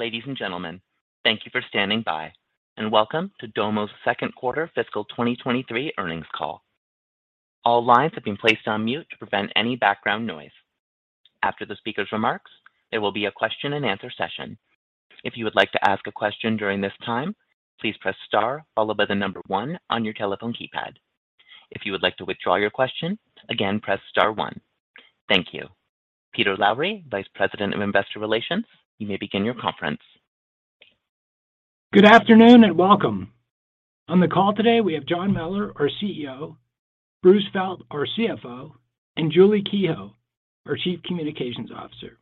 Ladies and gentlemen, thank you for standing by, and welcome to Domo's second quarter fiscal 2023 earnings call. All lines have been placed on mute to prevent any background noise. After the speaker's remarks, there will be a question-and-answer session. If you would like to ask a question during this time, please press star followed by the number one on your telephone keypad. If you would like to withdraw your question, again, press star one. Thank you. Peter Lowry, Vice President of Investor Relations, you may begin your conference. Good afternoon, and welcome. On the call today, we have John Mellor, our CEO, Bruce Felt, our CFO, and Julie Kehoe, our Chief Communications Officer.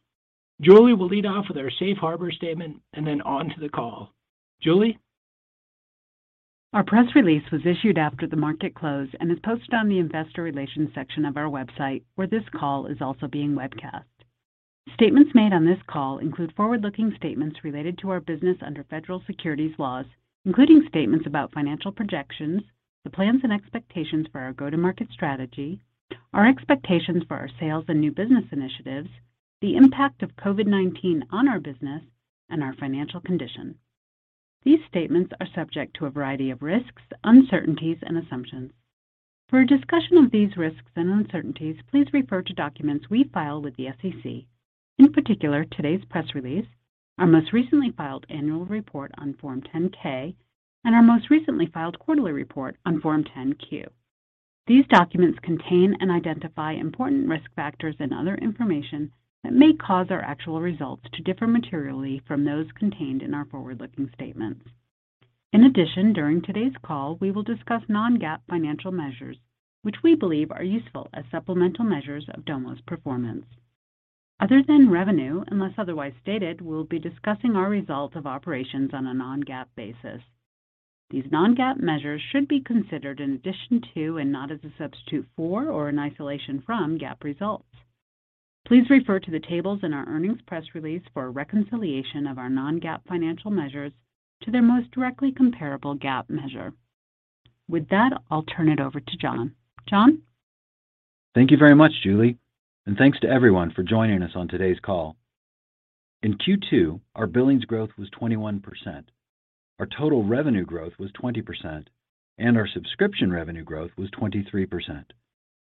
Julie will lead off with our safe harbor statement, and then on to the call. Julie? Our press release was issued after the market close and is posted on the investor relations section of our website, where this call is also being webcast. Statements made on this call include forward-looking statements related to our business under federal securities laws, including statements about financial projections, the plans and expectations for our go-to-market strategy, our expectations for our sales and new business initiatives, the impact of COVID-19 on our business and our financial condition. These statements are subject to a variety of risks, uncertainties, and assumptions. For a discussion of these risks and uncertainties, please refer to documents we file with the SEC. In particular, today's press release, our most recently filed annual report on Form 10-K and our most recently filed quarterly report on Form 10-Q. These documents contain and identify important risk factors and other information that may cause our actual results to differ materially from those contained in our forward-looking statements. In addition, during today's call, we will discuss non-GAAP financial measures, which we believe are useful as supplemental measures of Domo's performance. Other than revenue, unless otherwise stated, we'll be discussing our results of operations on a non-GAAP basis. These non-GAAP measures should be considered in addition to and not as a substitute for or in isolation from GAAP results. Please refer to the tables in our earnings press release for a reconciliation of our non-GAAP financial measures to their most directly comparable GAAP measure. With that, I'll turn it over to John. John? Thank you very much, Julie, and thanks to everyone for joining us on today's call. In Q2, our billings growth was 21%, our total revenue growth was 20%, and our subscription revenue growth was 23%.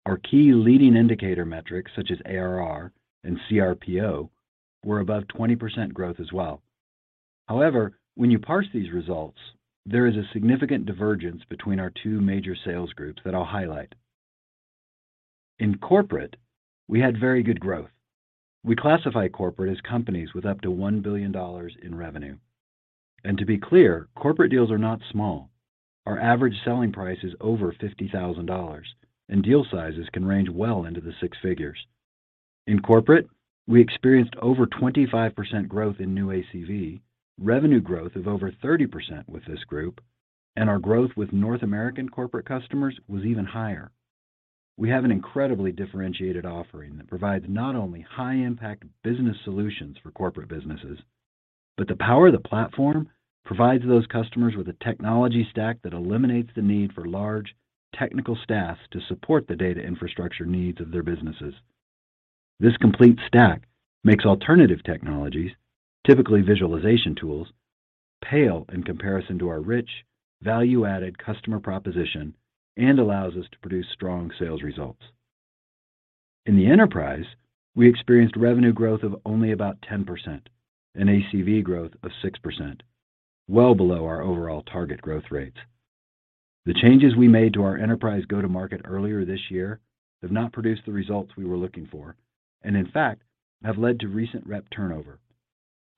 Our key leading indicator metrics such as ARR and CRPO were above 20% growth as well. However, when you parse these results, there is a significant divergence between our two major sales groups that I'll highlight. In corporate, we had very good growth. We classify corporate as companies with up to $1 billion in revenue. To be clear, corporate deals are not small. Our average selling price is over $50,000, and deal sizes can range well into the six figures. In corporate, we experienced over 25% growth in new ACV, revenue growth of over 30% with this group, and our growth with North American corporate customers was even higher. We have an incredibly differentiated offering that provides not only high impact business solutions for corporate businesses, but the power of the platform provides those customers with a technology stack that eliminates the need for large technical staffs to support the data infrastructure needs of their businesses. This complete stack makes alternative technologies, typically visualization tools, pale in comparison to our rich value-added customer proposition, and allows us to produce strong sales results. In the enterprise, we experienced revenue growth of only about 10% and ACV growth of 6%, well below our overall target growth rates. The changes we made to our enterprise go-to-market earlier this year have not produced the results we were looking for, and in fact, have led to recent rep turnover.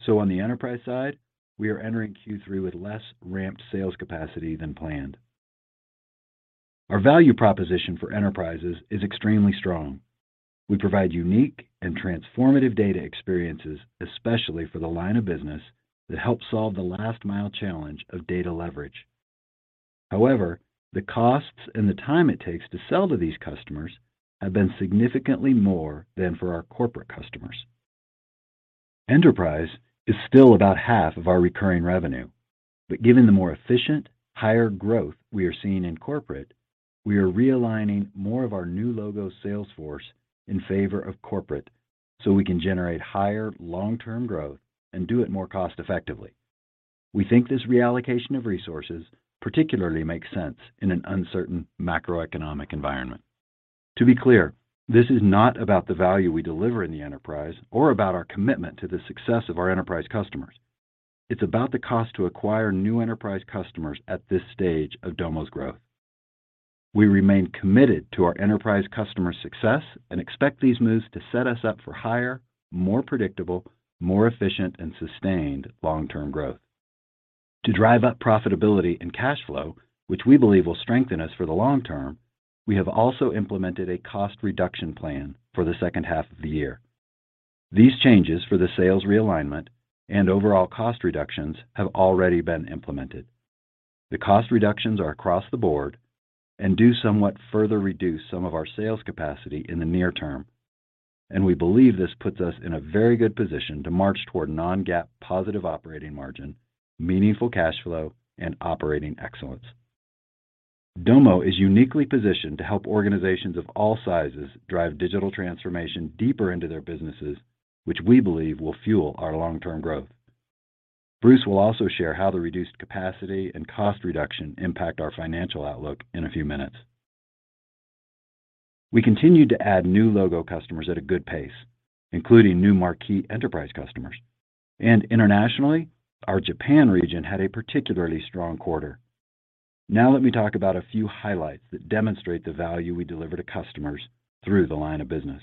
On the enterprise side, we are entering Q3 with less ramped sales capacity than planned. Our value proposition for enterprises is extremely strong. We provide unique and transformative data experiences, especially for the line of business that help solve the last mile challenge of data leverage. However, the costs and the time it takes to sell to these customers have been significantly more than for our corporate customers. Enterprise is still about half of our recurring revenue, but given the more efficient, higher growth we are seeing in corporate, we are realigning more of our new logo sales force in favor of corporate so we can generate higher long-term growth and do it more cost effectively. We think this reallocation of resources particularly makes sense in an uncertain macroeconomic environment. To be clear, this is not about the value we deliver in the enterprise or about our commitment to the success of our enterprise customers. It's about the cost to acquire new enterprise customers at this stage of Domo's growth. We remain committed to our enterprise customer success and expect these moves to set us up for higher, more predictable, more efficient, and sustained long-term growth. To drive up profitability and cash flow, which we believe will strengthen us for the long term, we have also implemented a cost reduction plan for the second half of the year. These changes for the sales realignment and overall cost reductions have already been implemented. The cost reductions are across the board and do somewhat further reduce some of our sales capacity in the near term, and we believe this puts us in a very good position to march toward non-GAAP positive operating margin, meaningful cash flow, and operating excellence. Domo is uniquely positioned to help organizations of all sizes drive digital transformation deeper into their businesses, which we believe will fuel our long-term growth. Bruce will also share how the reduced capacity and cost reduction impact our financial outlook in a few minutes. We continued to add new logo customers at a good pace, including new marquee enterprise customers. Internationally, our Japan region had a particularly strong quarter. Now let me talk about a few highlights that demonstrate the value we deliver to customers through the line of business.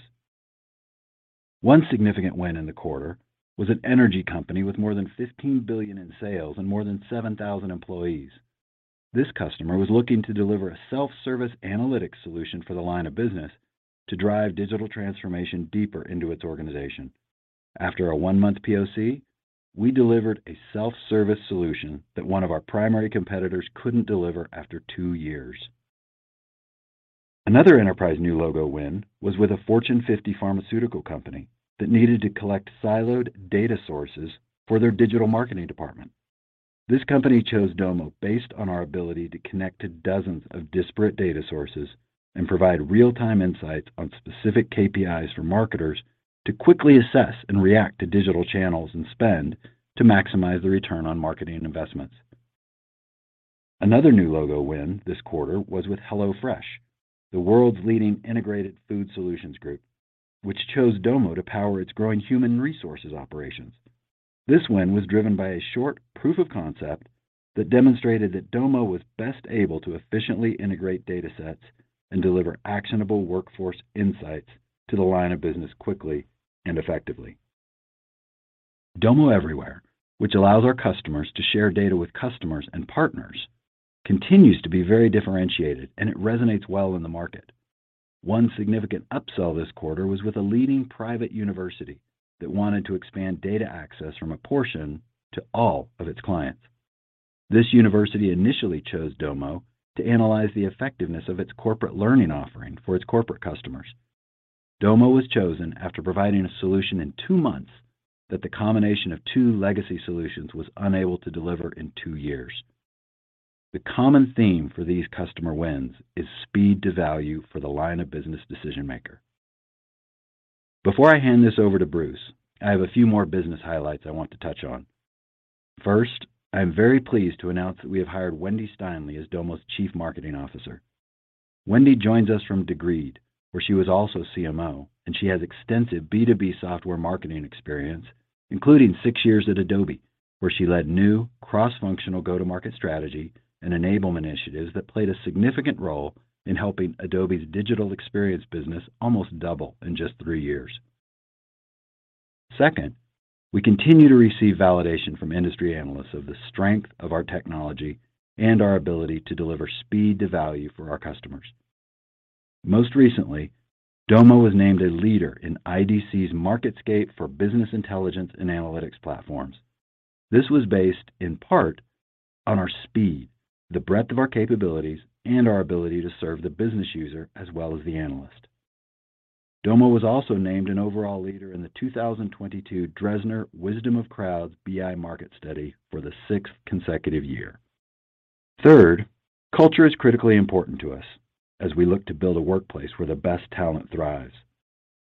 One significant win in the quarter was an energy company with more than $15 billion in sales and more than 7,000 employees. This customer was looking to deliver a self-service analytics solution for the line of business to drive digital transformation deeper into its organization. After a 1-month POC, we delivered a self-service solution that one of our primary competitors couldn't deliver after 2 years. Another enterprise new logo win was with a Fortune 50 pharmaceutical company that needed to collect siloed data sources for their digital marketing department. This company chose Domo based on our ability to connect to dozens of disparate data sources and provide real-time insights on specific KPIs for marketers to quickly assess and react to digital channels and spend to maximize the return on marketing investments. Another new logo win this quarter was with HelloFresh, the world's leading integrated food solutions group, which chose Domo to power its growing human resources operations. This win was driven by a short proof of concept that demonstrated that Domo was best able to efficiently integrate data sets and deliver actionable workforce insights to the line of business quickly and effectively. Domo Everywhere, which allows our customers to share data with customers and partners, continues to be very differentiated, and it resonates well in the market. One significant upsell this quarter was with a leading private university that wanted to expand data access from a portion to all of its clients. This university initially chose Domo to analyze the effectiveness of its corporate learning offering for its corporate customers. Domo was chosen after providing a solution in two months that the combination of two legacy solutions was unable to deliver in two years. The common theme for these customer wins is speed to value for the line of business decision maker. Before I hand this over to Bruce, I have a few more business highlights I want to touch on. First, I am very pleased to announce that we have hired Wendy Steinle as Domo's Chief Marketing Officer. Wendy joins us from Degreed, where she was also CMO, and she has extensive B2B software marketing experience, including six years at Adobe, where she led new cross-functional go-to-market strategy and enablement initiatives that played a significant role in helping Adobe's digital experience business almost double in just three years. Second, we continue to receive validation from industry analysts of the strength of our technology and our ability to deliver speed to value for our customers. Most recently, Domo was named a leader in IDC's MarketScape for Business Intelligence and Analytics Platforms. This was based in part on our speed, the breadth of our capabilities, and our ability to serve the business user as well as the analyst. Domo was also named an overall leader in the 2022 Dresner Wisdom of Crowds BI Market Study for the sixth consecutive year. Third, culture is critically important to us as we look to build a workplace where the best talent thrives.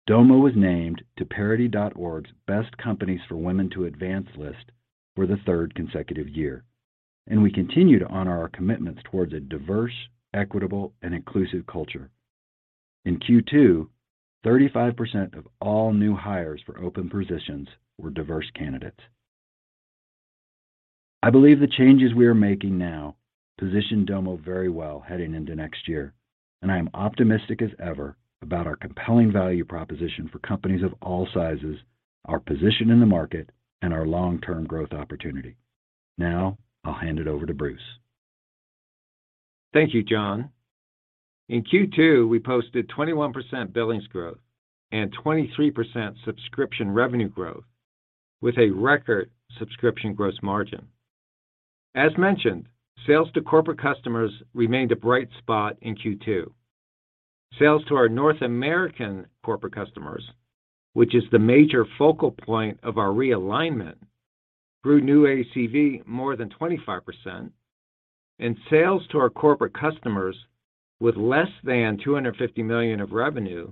Domo was named to Parity.Org's Best Companies for Women to Advance list for the third consecutive year, and we continue to honor our commitments towards a diverse, equitable, and inclusive culture. In Q2, 35% of all new hires for open positions were diverse candidates. I believe the changes we are making now position Domo very well heading into next year, and I am optimistic as ever about our compelling value proposition for companies of all sizes, our position in the market, and our long-term growth opportunity. Now I'll hand it over to Bruce. Thank you, John. In Q2, we posted 21% billings growth and 23% subscription revenue growth with a record subscription gross margin. As mentioned, sales to corporate customers remained a bright spot in Q2. Sales to our North American corporate customers, which is the major focal point of our realignment, grew new ACV more than 25%, and sales to our corporate customers with less than $250 million of revenue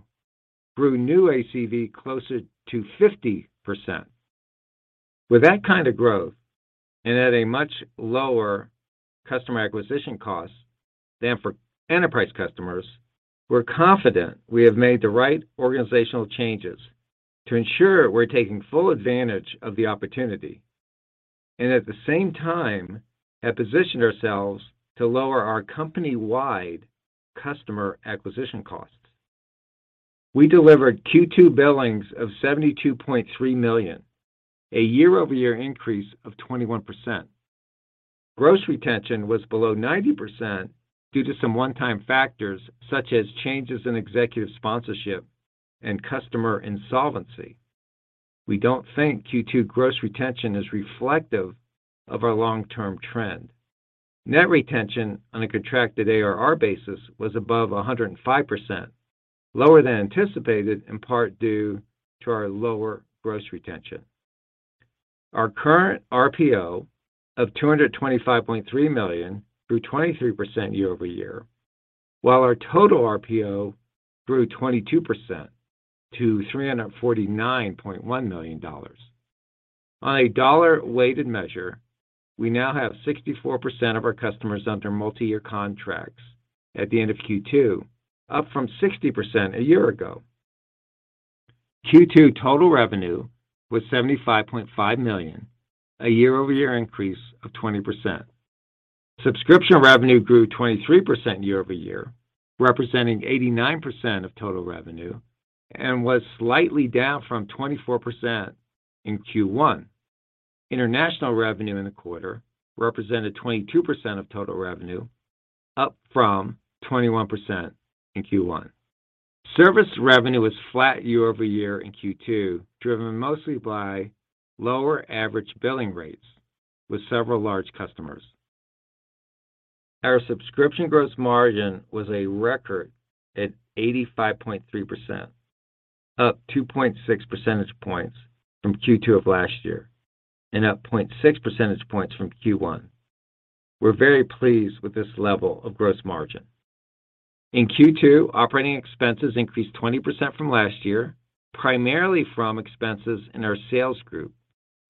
grew new ACV closer to 50%. With that kind of growth and at a much lower customer acquisition cost than for enterprise customers, we're confident we have made the right organizational changes to ensure we're taking full advantage of the opportunity and at the same time have positioned ourselves to lower our company-wide customer acquisition costs. We delivered Q2 billings of $72.3 million, a year-over-year increase of 21%. Gross retention was below 90% due to some one-time factors such as changes in executive sponsorship and customer insolvency. We don't think Q2 gross retention is reflective of our long-term trend. Net retention on a contracted ARR basis was above 105%, lower than anticipated, in part due to our lower gross retention. Our current RPO of $225.3 million grew 23% year-over-year, while our total RPO grew 22% to $349.1 million. On a dollar-weighted measure, we now have 64% of our customers under multi-year contracts at the end of Q2, up from 60% a year ago. Q2 total revenue was $75.5 million, a year-over-year increase of 20%. Subscription revenue grew 23% year-over-year, representing 89% of total revenue, and was slightly down from 24% in Q1. International revenue in the quarter represented 22% of total revenue, up from 21% in Q1. Service revenue was flat year-over-year in Q2, driven mostly by lower average billing rates with several large customers. Our subscription gross margin was a record at 85.3%, up 2.6 percentage points from Q2 of last year, and up 0.6 percentage points from Q1. We're very pleased with this level of gross margin. In Q2, operating expenses increased 20% from last year, primarily from expenses in our sales group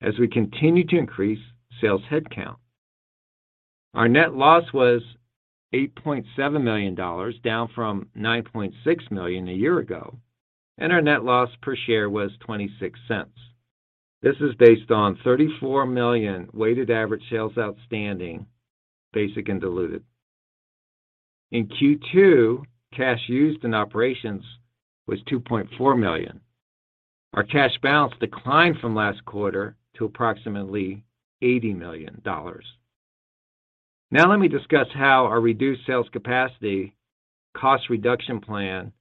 as we continue to increase sales headcount. Our net loss was $8.7 million, down from $9.6 million a year ago, and our net loss per share was $0.26. This is based on 34 million weighted average shares outstanding, basic and diluted. In Q2, cash used in operations was $2.4 million. Our cash balance declined from last quarter to approximately $80 million. Now let me discuss how our reduced sales capacity, cost reduction plan,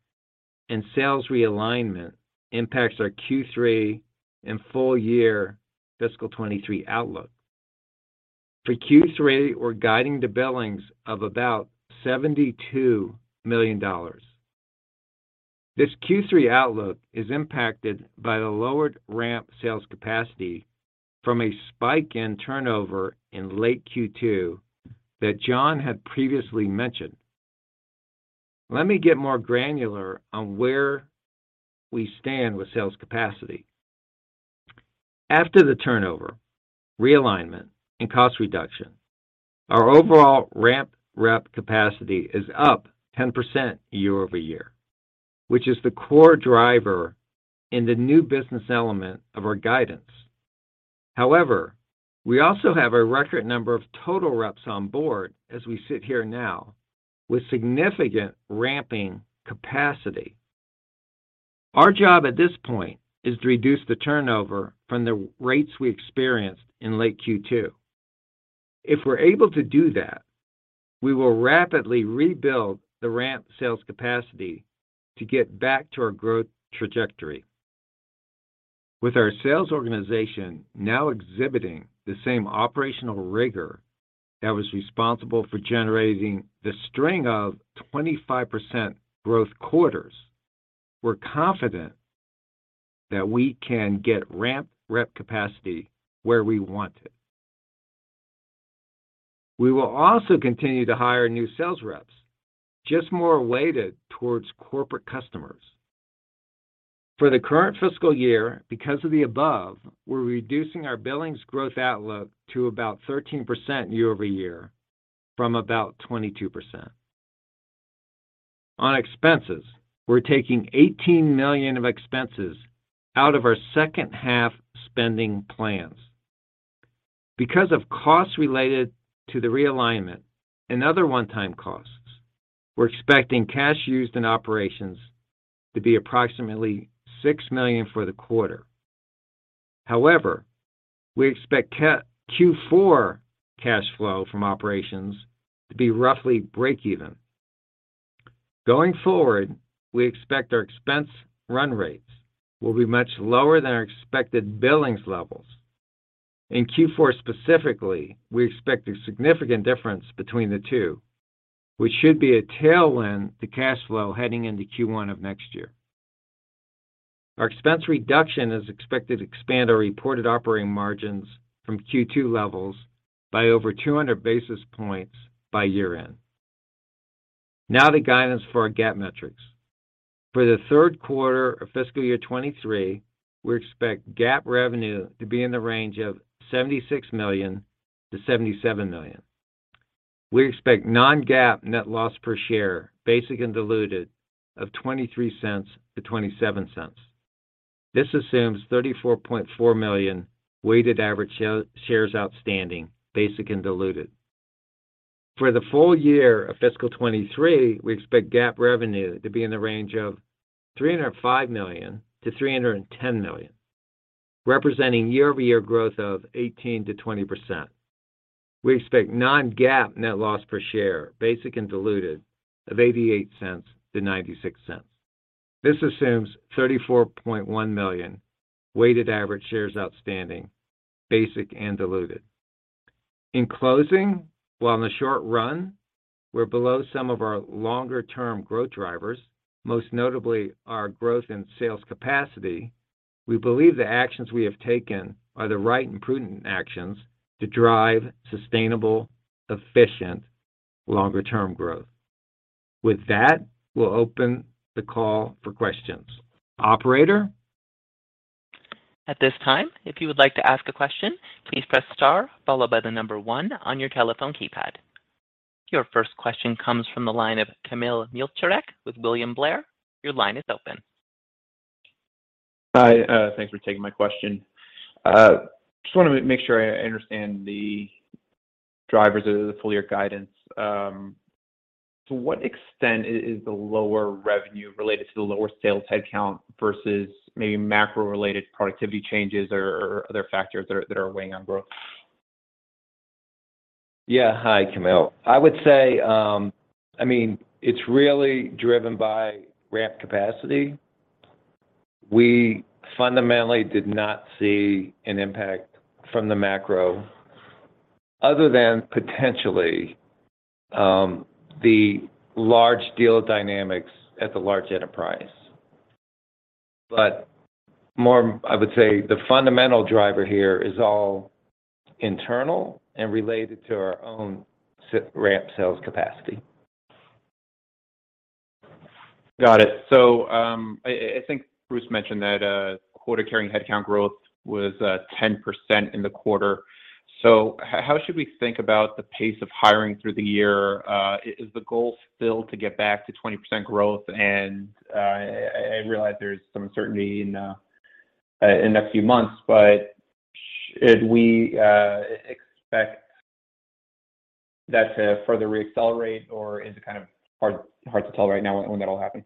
and sales realignment impacts our Q3 and full year fiscal 2023 outlook. For Q3, we're guiding to billings of about $72 million. This Q3 outlook is impacted by the lowered ramp sales capacity from a spike in turnover in late Q2 that John had previously mentioned. Let me get more granular on where we stand with sales capacity. After the turnover, realignment, and cost reduction, our overall ramp rep capacity is up 10% year-over-year, which is the core driver in the new business element of our guidance. However, we also have a record number of total reps on board as we sit here now with significant ramping capacity. Our job at this point is to reduce the turnover from the rates we experienced in late Q2. If we're able to do that, we will rapidly rebuild the ramp sales capacity to get back to our growth trajectory. With our sales organization now exhibiting the same operational rigor that was responsible for generating the string of 25% growth quarters, we're confident that we can get ramp rep capacity where we want it. We will also continue to hire new sales reps, just more weighted towards corporate customers. For the current fiscal year, because of the above, we're reducing our billings growth outlook to about 13% year-over-year from about 22%. On expenses, we're taking $18 million of expenses out of our second half spending plans. Because of costs related to the realignment and other one-time costs, we're expecting cash used in operations to be approximately $6 million for the quarter. However, we expect Q4 cash flow from operations to be roughly break even. Going forward, we expect our expense run rates will be much lower than our expected billings levels. In Q4 specifically, we expect a significant difference between the two, which should be a tailwind to cash flow heading into Q1 of next year. Our expense reduction is expected to expand our reported operating margins from Q2 levels by over 200 basis points by year-end. Now the guidance for our GAAP metrics. For the third quarter of fiscal year 2023, we expect GAAP revenue to be in the range of $76 million-$77 million. We expect non-GAAP net loss per share, basic and diluted, of $0.23-$0.27. This assumes 34.4 million weighted average shares outstanding, basic and diluted. For the full year of fiscal 2023, we expect GAAP revenue to be in the range of $305 million-$310 million, representing year-over-year growth of 18%-20%. We expect non-GAAP net loss per share, basic and diluted, of $0.88-$0.96. This assumes 34.1 million weighted average shares outstanding, basic and diluted. In closing, while in the short run we're below some of our longer term growth drivers, most notably our growth in sales capacity, we believe the actions we have taken are the right and prudent actions to drive sustainable, efficient, longer term growth. With that, we'll open the call for questions. Operator? At this time, if you would like to ask a question, please press star followed by the number one on your telephone keypad. Your first question comes from the line of Kamil Mielczarek with William Blair. Your line is open. Hi, thanks for taking my question. Just wanna make sure I understand the drivers of the full year guidance. To what extent is the lower revenue related to the lower sales headcount versus maybe macro related productivity changes or other factors that are weighing on growth? Yeah. Hi, Kamil. I would say, I mean, it's really driven by ramp capacity. We fundamentally did not see an impact from the macro other than potentially, the large deal dynamics at the large enterprise. But more, I would say the fundamental driver here is all internal and related to our own ramp sales capacity. Got it. I think Bruce mentioned that quarter-over-quarter headcount growth was 10% in the quarter. How should we think about the pace of hiring through the year? Is the goal still to get back to 20% growth? I realize there's some uncertainty in the next few months, but should we expect that to further re-accelerate or is it kind of hard to tell right now when that'll happen?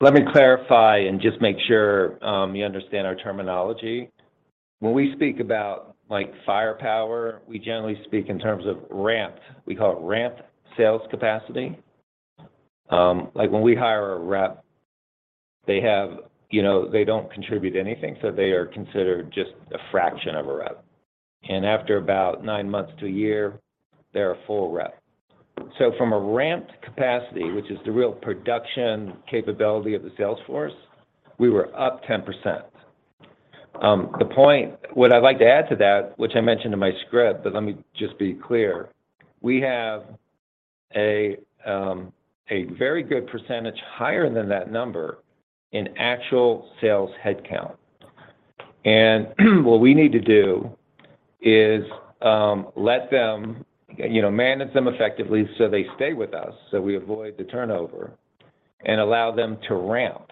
Let me clarify and just make sure you understand our terminology. When we speak about like firepower, we generally speak in terms of ramp. We call it ramp sales capacity. Like when we hire a rep, they have. You know, they don't contribute anything, so they are considered just a fraction of a rep. After about nine months to a year, they're a full rep. From a ramped capacity, which is the real production capability of the sales force, we were up 10%. What I'd like to add to that, which I mentioned in my script, but let me just be clear, we have a very good percentage higher than that number in actual sales headcount. What we need to do is let them, you know, manage them effectively so they stay with us, so we avoid the turnover and allow them to ramp.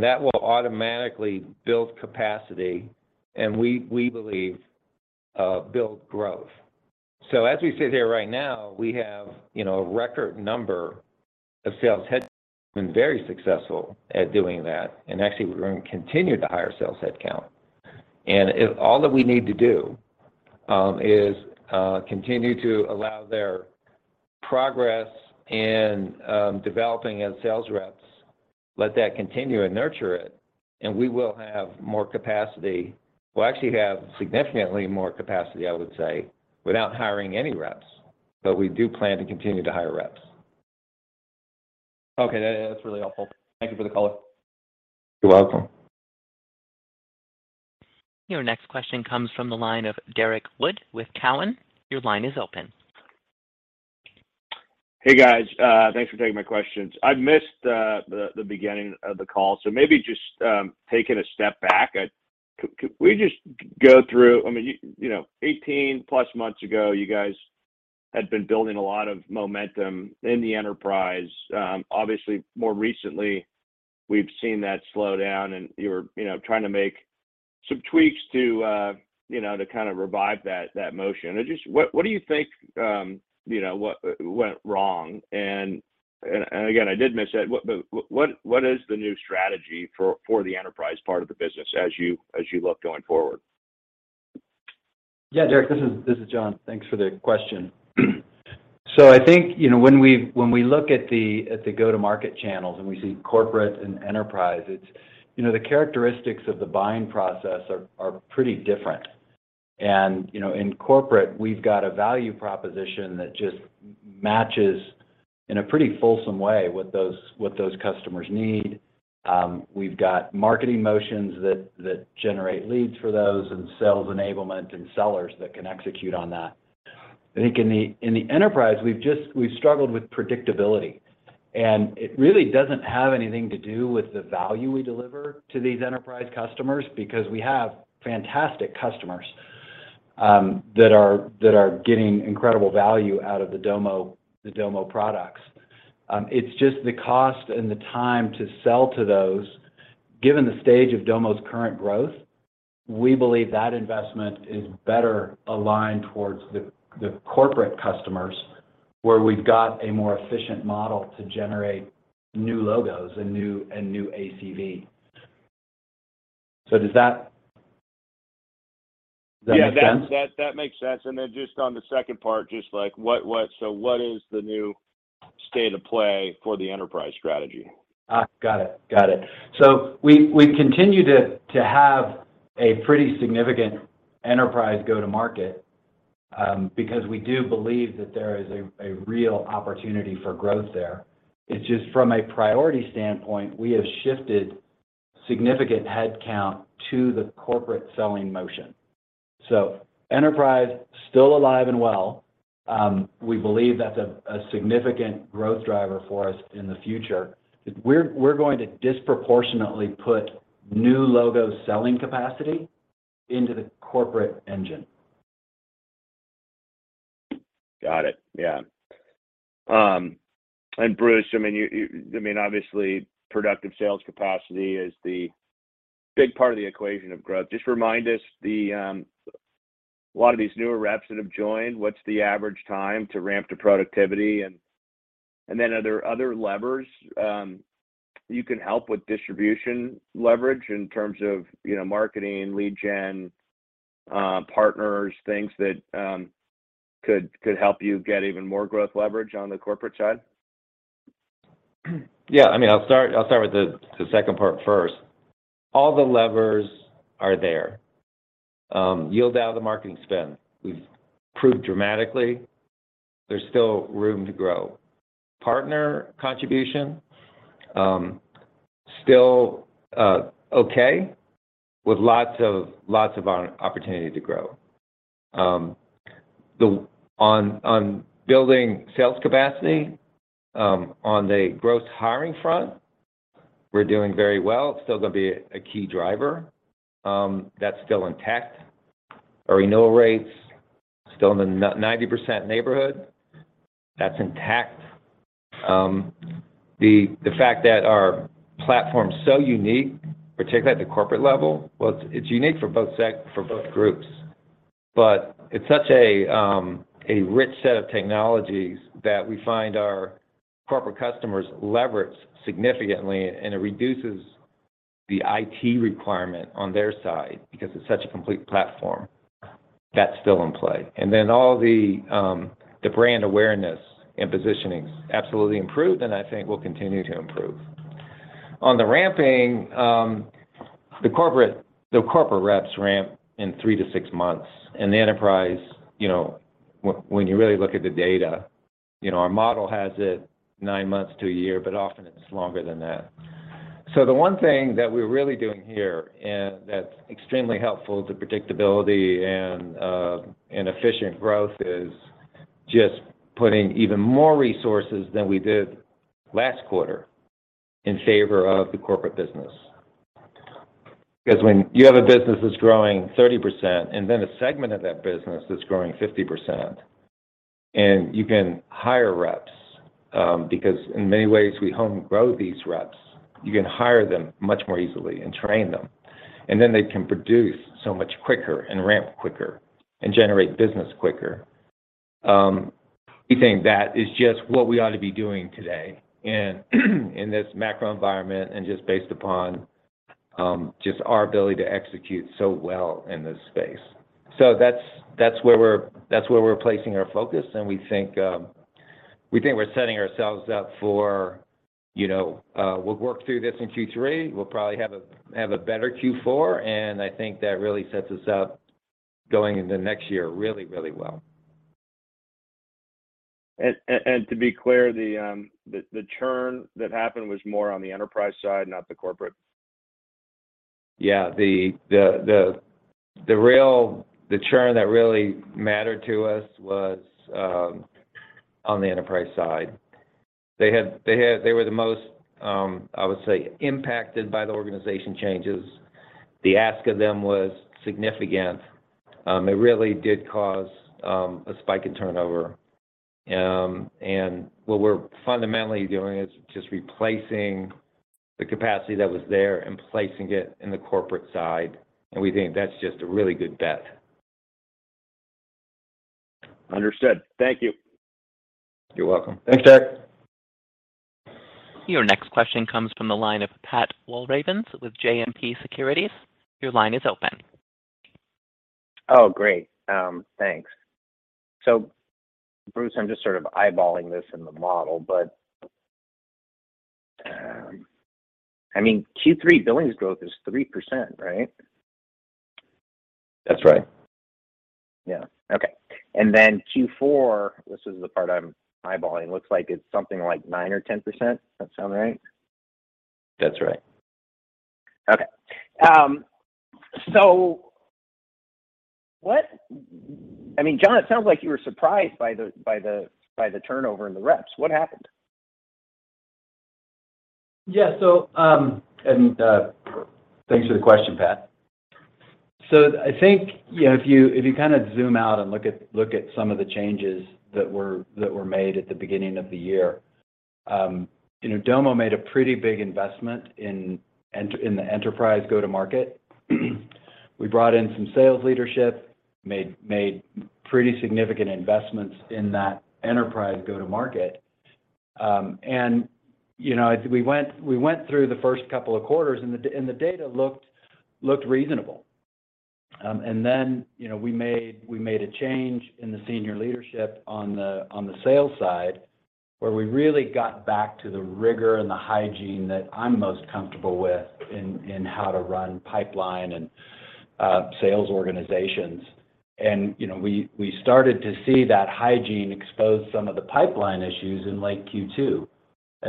That will automatically build capacity, and we believe build growth. As we sit here right now, we have, you know, a record number of sales headcount has been very successful at doing that, and actually we're going to continue to hire sales headcount. All that we need to do is continue to allow their progress in developing as sales reps, let that continue and nurture it, and we will have more capacity. We'll actually have significantly more capacity, I would say, without hiring any reps. We do plan to continue to hire reps. Okay. That's really helpful. Thank you for the color. You're welcome. Your next question comes from the line of Derrick Wood with TD Cowen. Your line is open. Hey, guys. Thanks for taking my questions. I missed the beginning of the call, so maybe just taking a step back. Could we just go through? I mean, you know, 18+ months ago, you guys had been building a lot of momentum in the enterprise. Obviously more recently we've seen that slow down and you're, you know, trying to make some tweaks to, you know, to kind of revive that motion. Just what do you think, you know, what went wrong? Again, I did miss it, but what is the new strategy for the enterprise part of the business as you look going forward? Yeah. Derrick, this is John. Thanks for the question. So I think, you know, when we look at the go-to-market channels and we see corporate and enterprise, it's. You know, the characteristics of the buying process are pretty different. In corporate we've got a value proposition that just matches in a pretty fulsome way what those customers need. We've got marketing motions that generate leads for those and sales enablement and sellers that can execute on that. I think in the enterprise, we've just struggled with predictability. It really doesn't have anything to do with the value we deliver to these enterprise customers, because we have fantastic customers that are getting incredible value out of the Domo products. It's just the cost and the time to sell to those. Given the stage of Domo's current growth, we believe that investment is better aligned towards the corporate customers, where we've got a more efficient model to generate new logos and new ACV. Does that make sense? Yeah, that makes sense. Just on the second part, just like, so what is the new state of play for the enterprise strategy. Got it. We continue to have a pretty significant enterprise go-to-market, because we do believe that there is a real opportunity for growth there. It's just from a priority standpoint, we have shifted significant headcount to the corporate selling motion. Enterprise, still alive and well. We believe that's a significant growth driver for us in the future. We're going to disproportionately put new logo selling capacity into the corporate engine. Got it. Yeah. Bruce, I mean, you I mean, obviously, productive sales capacity is the big part of the equation of growth. Just remind us, a lot of these newer reps that have joined, what's the average time to ramp to productivity and then are there other levers you can help with distribution leverage in terms of, you know, marketing, lead gen, partners, things that could help you get even more growth leverage on the corporate side? Yeah. I mean, I'll start with the second part first. All the levers are there. Yield out of the marketing spend, we've improved dramatically. There's still room to grow. Partner contribution, still okay with lots of opportunity to grow. On building sales capacity, on the gross hiring front, we're doing very well. It's still gonna be a key driver, that's still intact. Our renewal rates still in the 90% neighborhood. That's intact. The fact that our platform's so unique, particularly at the corporate level, well, it's unique for both groups. But it's such a rich set of technologies that we find our corporate customers leverage significantly, and it reduces the IT requirement on their side because it's such a complete platform. That's still in play. Then all the brand awareness and positioning's absolutely improved, and I think will continue to improve. On the ramping, the corporate reps ramp in 3-6 months. The enterprise, you know, when you really look at the data, you know, our model has it 9 months to a year, but often it's longer than that. The one thing that we're really doing here, and that's extremely helpful to predictability and efficient growth, is just putting even more resources than we did last quarter in favor of the corporate business. Because when you have a business that's growing 30% and then a segment of that business that's growing 50%, and you can hire reps, because in many ways, we home grow these reps, you can hire them much more easily and train them, and then they can produce so much quicker and ramp quicker and generate business quicker. We think that is just what we ought to be doing today in this macro environment and just based upon just our ability to execute so well in this space. That's where we're placing our focus, and we think we're setting ourselves up for, you know, we'll work through this in Q3. We'll probably have a better Q4, and I think that really sets us up going into next year really, really well. To be clear, the churn that happened was more on the enterprise side, not the corporate. Yeah. The real churn that really mattered to us was on the enterprise side. They were the most impacted by the organization changes. The ask of them was significant. It really did cause a spike in turnover. What we're fundamentally doing is just replacing the capacity that was there and placing it in the corporate side, and we think that's just a really good bet. Understood. Thank you. You're welcome. Thanks, Jack. Your next question comes from the line of Pat Walravens with Citizens JMP. Your line is open. Oh, great. Thanks. Bruce, I'm just sort of eyeballing this in the model, but, I mean, Q3 billings growth is 3%, right? That's right. Yeah. Okay. Q4, this is the part I'm eyeballing, looks like it's something like 9% or 10%. That sound right? That's right. Okay. What? I mean, John, it sounds like you were surprised by the turnover in the reps. What happened? Yeah. Thanks for the question, Pat. I think, you know, if you kind of zoom out and look at some of the changes that were made at the beginning of the year, you know, Domo made a pretty big investment in the enterprise go-to-market. We brought in some sales leadership, made pretty significant investments in that enterprise go-to-market. You know, as we went through the first couple of quarters, and the data looked reasonable. You know, we made a change in the senior leadership on the sales side, where we really got back to the rigor and the hygiene that I'm most comfortable with in how to run pipeline and sales organizations. You know, we started to see that hygiene exposed some of the pipeline issues in late Q2.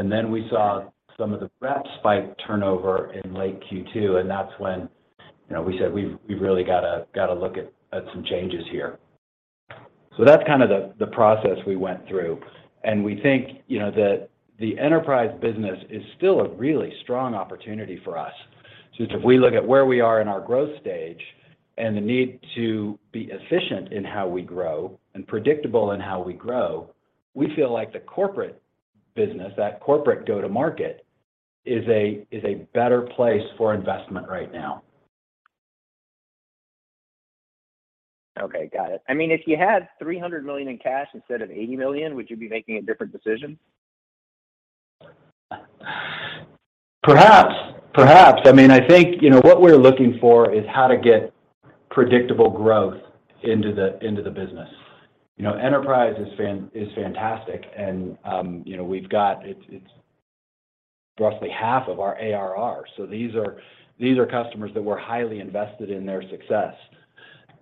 Then we saw some of the rep turnover spike in late Q2, and that's when, you know, we said we've really gotta look at some changes here. That's kind of the process we went through. We think, you know, that the enterprise business is still a really strong opportunity for us. If we look at where we are in our growth stage and the need to be efficient in how we grow and predictable in how we grow, we feel like the corporate business, that corporate go-to-market is a better place for investment right now. Okay, got it. I mean, if you had $300 million in cash instead of $80 million, would you be making a different decision? Perhaps. I mean, I think, you know, what we're looking for is how to get predictable growth into the business. You know, enterprise is fantastic and, you know, we've got. It's roughly half of our ARR, so these are customers that we're highly invested in their success.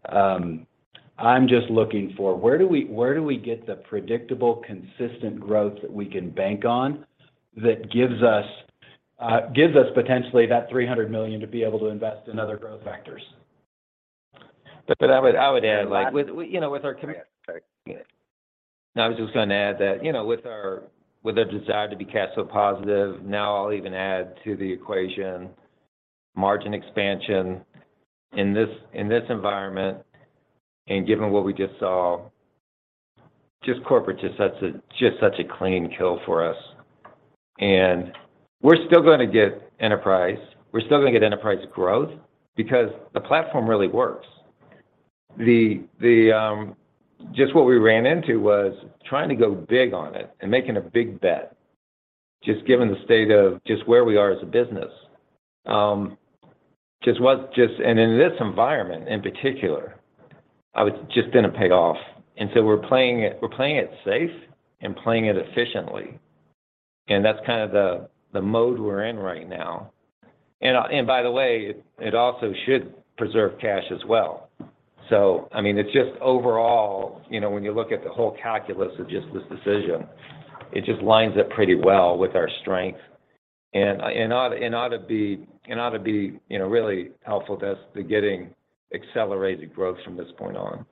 I'm just looking for where do we get the predictable, consistent growth that we can bank on that gives us potentially that $300 million to be able to invest in other growth factors? I would add, like, with, you know, with our comm-- Sorry. I was just gonna add that, you know, with our desire to be cash flow positive. Now I'll even add to the equation margin expansion in this environment and given what we just saw. Corporate is such a clean kill for us. We're still gonna get enterprise growth because the platform really works. What we ran into was trying to go big on it and making a big bet, given the state of where we are as a business. In this environment in particular, it just didn't pay off. We're playing it safe and playing it efficiently, and that's kind of the mode we're in right now. By the way, it also should preserve cash as well. I mean, it's just overall, you know, when you look at the whole calculus of just this decision, it just lines up pretty well with our strength and ought to be, you know, really helpful to us to getting accelerated growth from this point on.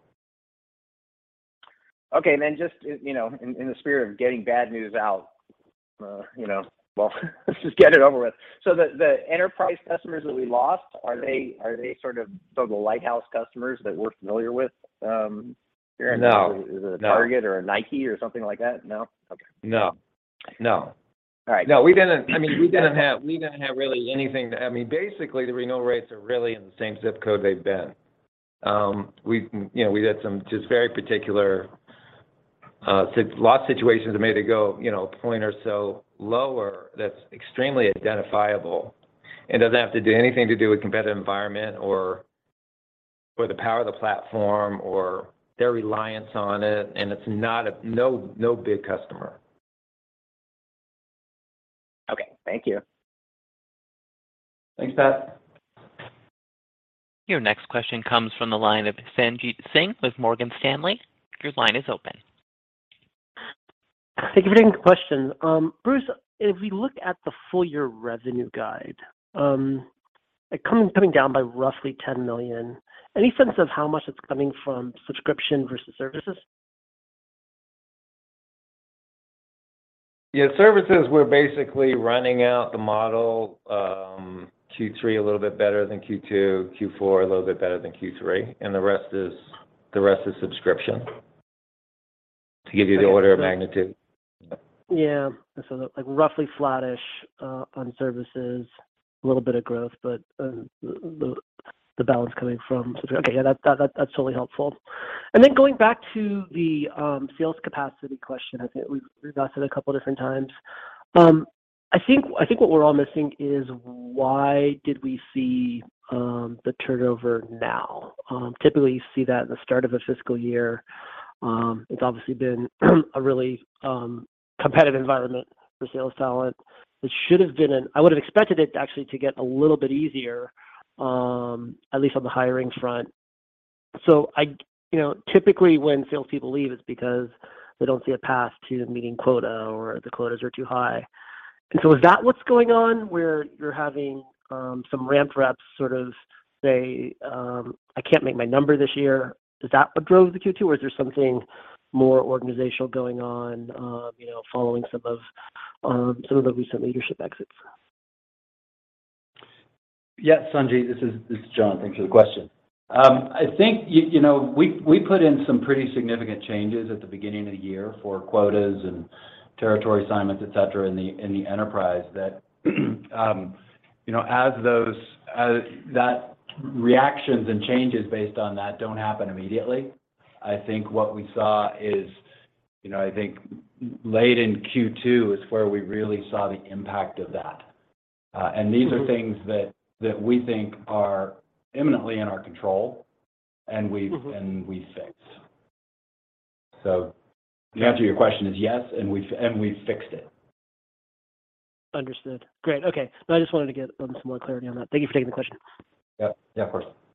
Okay. Just, you know, in the spirit of getting bad news out, you know, well, let's just get it over with. The enterprise customers that we lost, are they sort of the lighthouse customers that we're familiar with? No. Is it a Target or a Nike or something like that? No? Okay. No. All right. No, we didn't. I mean, we didn't have really anything. I mean, basically the renewal rates are really in the same zip code they've been. We, you know, had some just very particular single-loss situations that made it go, you know, a point or so lower. That's extremely identifiable. It doesn't have anything to do with competitive environment or the power of the platform or their reliance on it, and it's not a big customer. Okay. Thank you. Thanks, Pat. Your next question comes from the line of Sanjit Singh with Morgan Stanley. Your line is open. Thank you for taking the question. Bruce, if we look at the full year revenue guide, it's coming down by roughly $10 million. Any sense of how much it's coming from subscription versus services? Yeah. Services, we're basically running out the model, Q3 a little bit better than Q2. Q4 a little bit better than Q3. The rest is subscription, to give you the order of magnitude. Yeah. Like roughly flattish on services, a little bit of growth, but the balance coming from. Okay, yeah, that that's totally helpful. Then going back to the sales capacity question, I think we've asked it a couple different times. I think what we're all missing is why did we see the turnover now? Typically you see that in the start of a fiscal year. It's obviously been a really competitive environment for sales talent. It should have been. I would have expected it actually to get a little bit easier at least on the hiring front. I you know typically when sales people leave, it's because they don't see a path to meeting quota or the quotas are too high. Is that what's going on, where you're having some ramp reps sort of say, "I can't make my number this year"? Is that what drove the Q2, or is there something more organizational going on, you know, following some of the recent leadership exits? Yes, Sanjit, this is John Mellor. Thanks for the question. I think you know, we put in some pretty significant changes at the beginning of the year for quotas and territory assignments, et cetera, in the enterprise. Reactions and changes based on that don't happen immediately. I think what we saw is, you know, I think late in Q2 is where we really saw the impact of that. These are things that we think are eminently in our control and we- Mm-hmm We fixed. The answer to your question is yes, and we've fixed it. Understood. Great. Okay. I just wanted to get a little more clarity on that. Thank you for taking the question. Yep. Yeah, of course.